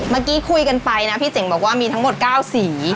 เมื่อกี้คุยกันไปนะพี่เจ๋งบอกว่ามีทั้งหมด๙สี